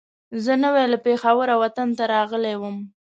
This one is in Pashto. زه نوی له پېښوره وطن ته راغلی وم.